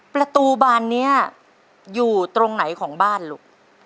ประตูบานนี้อยู่ตรงไหนของบ้านลูก